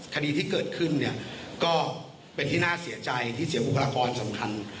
คดีที่เกิดขึ้นเนี่ยก็เป็นที่น่าเสียใจที่เสียบุคลากรสำคัญ